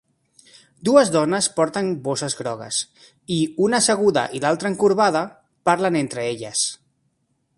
Dues dones porten bosses grogues i, una asseguda i l'altra encorbada, parlen entre elles.